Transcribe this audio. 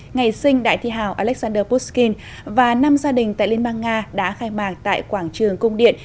ngày sinh đại thi hào alexander pushkin và năm gia đình tại liên bang nga đã khai mạc tại quảng trường cung điện